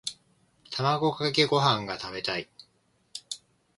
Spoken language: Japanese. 卵かけご飯が食べたい。